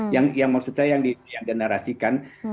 yang maksud saya yang dinarasikan